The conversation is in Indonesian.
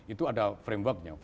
itu ada frameworknya